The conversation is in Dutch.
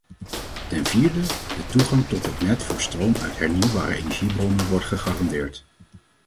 Ten vierde: de toegang tot het net voor stroom uit hernieuwbare energiebronnen wordt gegarandeerd.